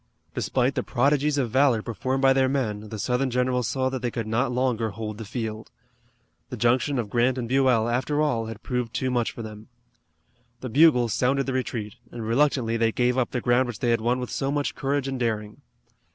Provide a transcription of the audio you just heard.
Despite the prodigies of valor performed by their men, the Southern generals saw that they could not longer hold the field. The junction of Grant and Buell, after all, had proved too much for them. The bugles sounded the retreat, and reluctantly they gave up the ground which they had won with so much courage and daring.